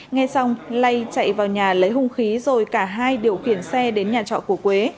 nghe xong lay chạy vào nhà lấy hung khí rồi cả hai điều khiển xe đến nhà trọ của quế